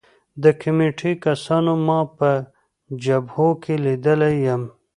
د کمېټې کسانو ما په جبهو کې لیدلی یم